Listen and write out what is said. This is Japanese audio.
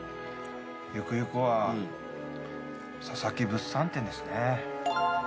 ゆくゆくは佐々木物産展ですね。